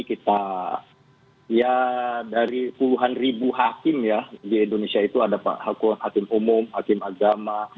kita ya dari puluhan ribu hakim ya di indonesia itu ada hakim umum hakim agama